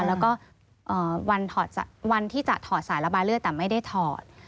แล้วก็วันที่จะถอดสายระบายเลือดแต่ไม่ได้ถอด